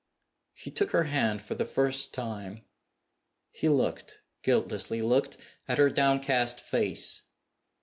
He took her hand for the first time. He looked, guiltlessly looked, at her downcast face.